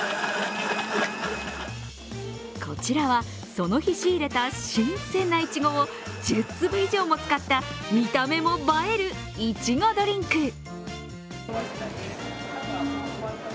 こちらは、その日仕入れた新鮮ないちごを１０粒以上も使った見た目も映えるいちごドリンク。